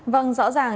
vâng rõ ràng